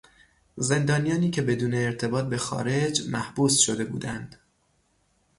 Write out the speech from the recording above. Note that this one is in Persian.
زندانیانی که بدون ارتباط به خارج محبوس شده بودند